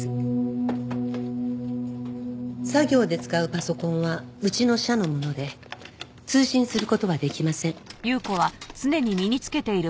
作業で使うパソコンはうちの社のもので通信する事はできません。